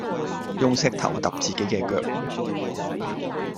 用石頭砸自己嘅腳